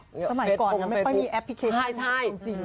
สมัยก่อนยังไม่มีแอปพลิเคชั่น